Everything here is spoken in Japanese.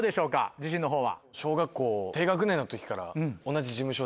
自信のほうは。